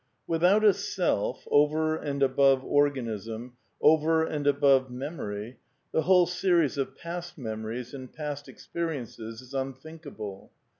Without a self, over and above organism, over and above memory, the whole series of past memories and past , experiences is unthinkable.